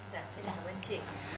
dạ xin cảm ơn chị